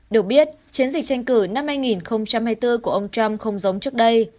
được biết chiến dịch tranh cử năm hai nghìn hai mươi bốn của ông trump không giống trước đây